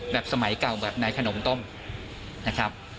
สมัยเก่าแบบในขนมต้มนะครับ